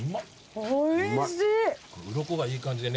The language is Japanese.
おいしいね。